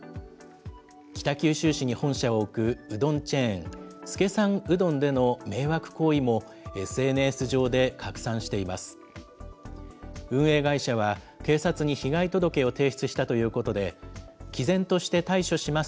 北九州市に本社を置くうどんチェーン、資さんうどんでの迷惑行為も、ＳＮＳ上で拡散しています。